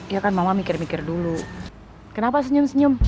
ya kan mama mikir mikir dulu kenapa senyum senyum